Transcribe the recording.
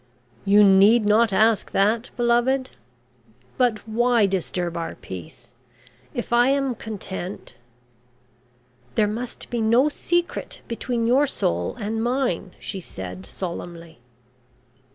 "You need not ask that, beloved? But why disturb our peace? If I am content " "There must be no secret between your soul and mine," she said solemnly.